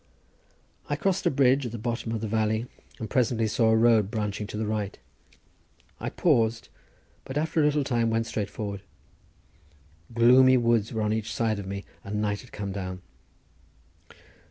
I crossed a bridge at the bottom of the valley and presently saw a road branching to the right. I paused, but after a little time went straight forward. Gloomy woods were on each side of me and night had come down.